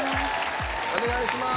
お願いします。